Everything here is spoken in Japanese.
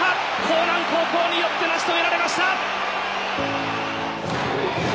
興南高校によって成し遂げられました！